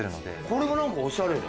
これが何かおしゃれ。